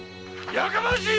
やかましい！